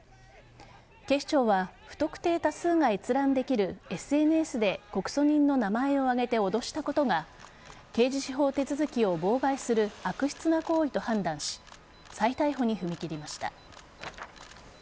警視庁は不特定多数が閲覧できるＳＮＳで告訴人の名前を挙げて脅したことが刑事司法手続きを妨害する悪質な行為と判断し再逮捕に踏み切りました。